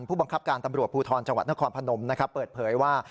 ผู้บังคับการตำรวจภูทรจังหวัดนครพนมนะครับเปิดเผยว่า